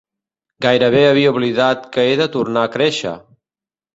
Gairebé havia oblidat que he de tornar a créixer!